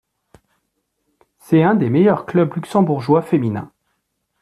C'est un des meilleurs clubs luxembourgeois féminins.